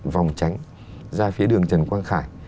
vòng tránh ra phía đường trần quang khải